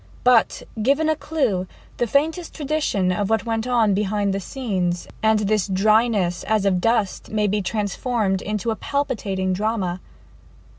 But given a clue the faintest tradition of what went on behind the scenes, and this dryness as of dust may be transformed into a palpitating drama.